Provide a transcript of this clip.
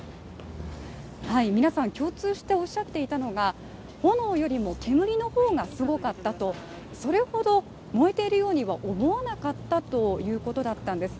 皆さん共通しておっしゃっていたのが、炎よりも、煙の方がすごかったとそれほど燃えているようには思わなかったということだったんです。